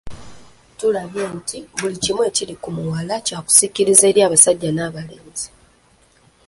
Tulabye nti buli kimu ekiri ku muwala kya kusikiriza eri abasajja n'abalenzi.